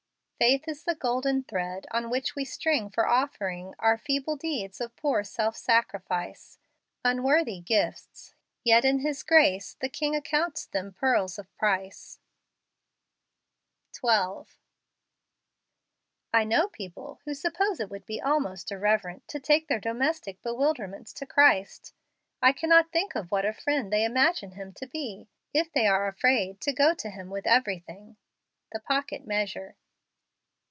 " Faith is the golden thread on which tee string for offering , Our feeble deeds of poor self sacrifice; Unworthy gifts , yet in His grace , the King Accounts them pearls of price" JANUARY. 9 12. I know people who suppose it would be almost irreverent to take their domestic bewilderments to Christ. I cannot think what kind of a friend they imagine Him to be, if they are afraid to go to Him with everything. The Pocket Measure.